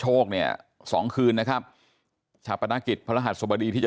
จะบอกยังก็บอกว่าให้เขาไปที่ภพภูมิที่ดี